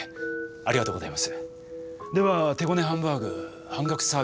ありがとうございます。